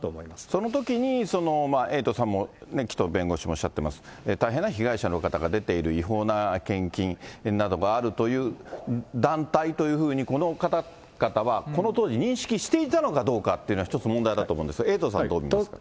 そのときに、エイトさんも紀藤弁護士もおっしゃっています、大変な被害者な方が出ている違法な献金などがあるという団体というふうにこの方々は、この当時、認識していたのかどうかというのは、一つ問題だと思うんですが、エイトさん、どう見ますか？